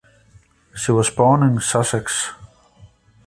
She was born in Sussex.